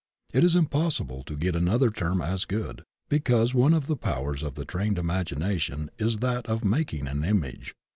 It is impossible to get another term as good because one of the powers of the trained Imagination is that of making an image.